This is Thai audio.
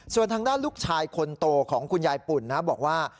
ส่วนทางด้านลูกชายคนโตของคุณยายปุ่นนะบอกว่า